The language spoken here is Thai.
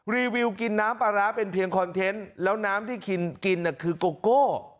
รีวิวกินน้ำปลาร้าเป็นเพียงคอนเทนต์แล้วน้ำที่กินคือโกโก้